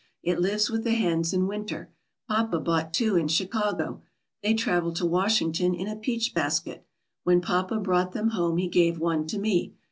It lives with the hens in winter. Papa bought two in Chicago. They travelled to Washington in a peach basket. When papa brought them home he gave one to me.